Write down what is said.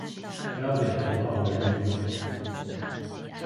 標點符號的運用